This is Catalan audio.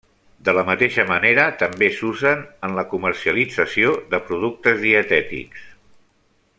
De la mateixa manera també s'usen en la comercialització de productes dietètics.